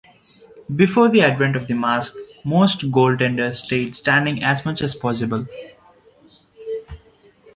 Before the advent of the mask, most goaltenders stayed standing as much as possible.